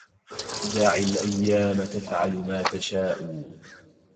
دع الأيام تفعل ما تشاء